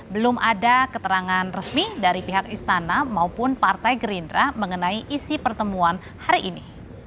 belum ada keterangan resmi dari pihak istana maupun partai gerindra mengenai isi pertemuan hari ini